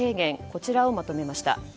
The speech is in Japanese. こちらをまとめました。